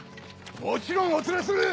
もちろんお連れする！